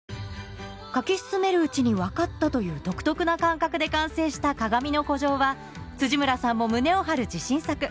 書き進めるうちに分かったという独特な感覚で完成した『かがみの孤城』は村さんも胸を張る自信作